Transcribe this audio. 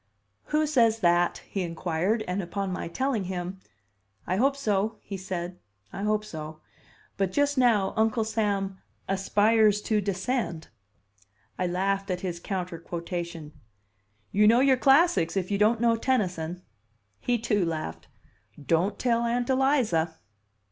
"Who says that?" he inquired; and upon my telling him, "I hope so," he said, "I hope so. But just now Uncle Sam 'aspires to descend.'" I laughed at his counter quotation. "You know your classics, if you don't know Tennyson." He, too, laughed. "Don't tell Aunt Eliza!"